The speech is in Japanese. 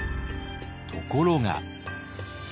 ところが。